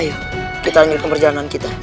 ayo kita inginkan perjalanan kita